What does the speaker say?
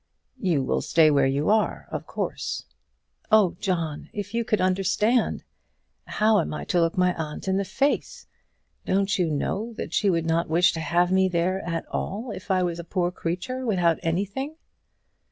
"You will stay where you are, of course." "Oh John! if you could understand! How am I to look my aunt in the face. Don't you know that she would not wish to have me there at all if I was a poor creature without anything?"